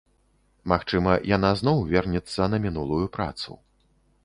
Магчыма, яна зноў вернецца на мінулую працу.